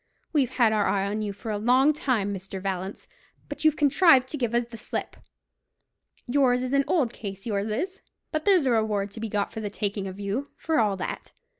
We've had our eye on you for a long time, Mr. Vallance; but you've contrived to give us the slip. Yours is an old case, yours is; but there's a reward to be got for the taking of you, for all that.